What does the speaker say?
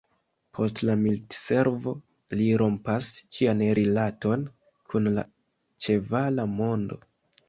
Post la militservo li rompas ĉian rilaton kun la ĉevala mondo.